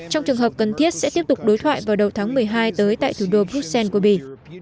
trong trường hợp cần thiết sẽ tiếp tục đối thoại vào đầu tháng một mươi hai tới tại thủ đô bruxelles của bỉ